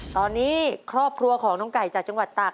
ตอนนี้ครอบครัวของน้องไก่จากจังหวัดตาก